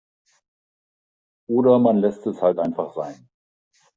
Oder man lässt es halt einfach sein.